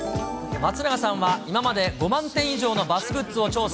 松永さんは、今まで５万点以上のバスグッズを調査。